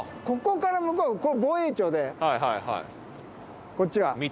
ここから向こうは防衛庁でこっちは。